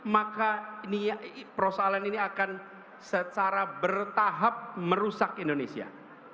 maka persoalan ini akan secara bertahap merusak indonesia